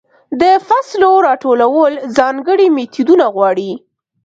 د فصلو راټولول ځانګړې میتودونه غواړي.